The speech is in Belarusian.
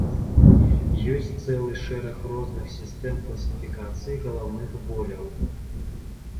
Ёсць цэлы шэраг розных сістэм класіфікацыі галаўных боляў.